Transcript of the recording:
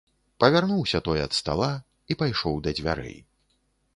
Павярнуўся той ад стала і пайшоў да дзвярэй.